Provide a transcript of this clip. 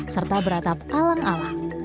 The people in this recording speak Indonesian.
serta beratap alang alang